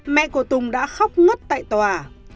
mẹ của tùng đã khóc ngất tại tòa